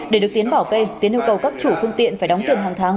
để được tiến bảo kê tiến yêu cầu các chủ phương tiện phải đóng tiền hàng tháng